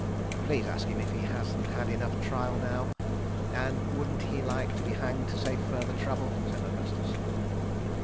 "Please ask him if he hasn't had enough trial now, and wouldn't he like to be hanged to save further trouble," said Augustus.